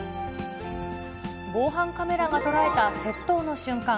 防犯カメラが捉えた窃盗の瞬間。